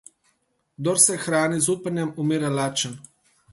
Kdor se hrani z upanjem, umira lačen.